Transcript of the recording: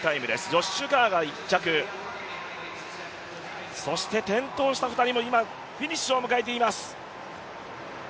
ジョッシュ・カーが１着、そして転倒した２人も今、フィニッシュを迎えています。